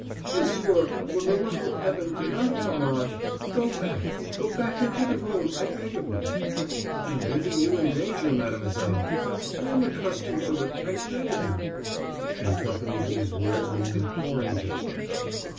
"Monsieur, for the love of heaven do not come on, go back—go back into the room, I beg of you." "I am leaving you in danger, Mademoiselle." "I am accustomed to it. I beg of you." She accompanied these words with an imploring gesture.